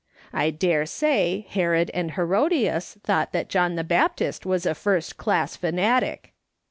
I dare say Herod and He rodias thought that John the Baptist was a first class fanatic.